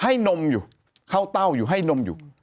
นมอยู่เข้าเต้าอยู่ให้นมอยู่